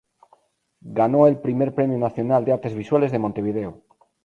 Ganó el Primer Premio Nacional de Artes Visuales de Montevideo.